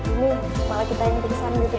ini malah kita yang pingsan gitu ya